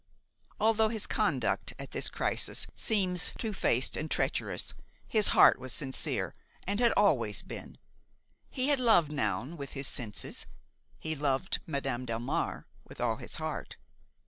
Although his conduct at this crisis seems two faced and treacherous, his heart was sincere, and had always been. He had loved Noun with his senses; he loved Madame Delmare with all his heart.